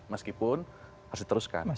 meskipun harus diteruskan